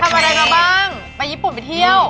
ทำอะไรมาบ้างไปญี่ปุ่นไปเที่ยว